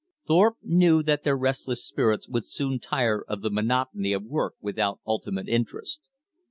Thorpe knew that their restless spirits would soon tire of the monotony of work without ultimate interest.